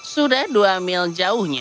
sudah dua mil jauhnya